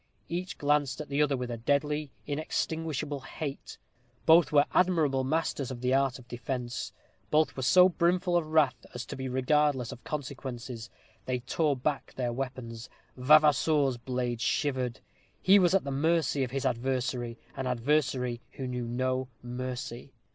Each glanced at the other with deadly, inextinguishable hate. Both were admirable masters of the art of defence. Both were so brimful of wrath as to be regardless of consequences. They tore back their weapons. Vavasour's blade shivered. He was at the mercy of his adversary an adversary who knew no mercy.